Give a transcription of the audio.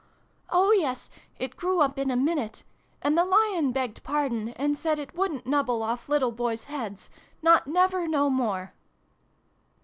" Oh yes, it grew up in a minute. And the Lion begged pardon, and said it wouldn't nubble off little boys' heads not never no more